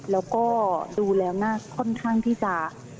แล้วก็ดูแล้วน่าค่อนข้างที่จะ